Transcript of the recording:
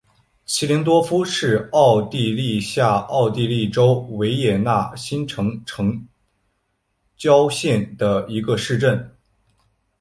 齐灵多夫是奥地利下奥地利州维也纳新城城郊县的一个市镇。